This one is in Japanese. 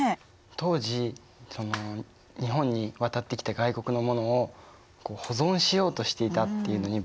当時日本に渡ってきた外国のものを保存しようとしていたっていうのに僕は驚いたな。